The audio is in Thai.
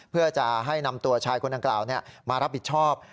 เพื่อจะให้นำตัวชายคนดังกล่าวมารับผิดชอบ